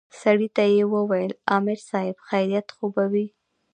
سړي ته يې وويل امر صايب خيريت خو به وي.